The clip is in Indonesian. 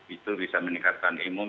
itu bisa meningkatkan imun